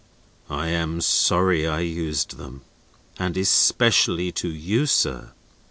"I am sorry I used them, and especially to you, sir.